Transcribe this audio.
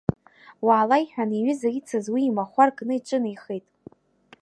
Уаала, иҳәан иҩыза ицыз уи имахәар кны иҿынеихеит.